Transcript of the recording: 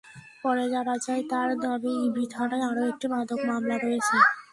পরে জানা যায়, তাঁর নামে ইবি থানায় আরও একটি মাদক মামলা রয়েছে।